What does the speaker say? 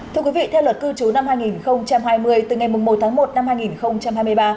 thưa quý vị theo luật cư trú năm hai nghìn hai mươi từ ngày một tháng một năm hai nghìn hai mươi ba